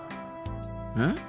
うん？